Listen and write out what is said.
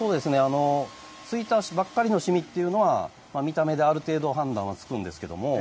ついたばかりの染みというのは見た目である程度判断はつくんですけれども。